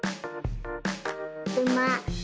うま。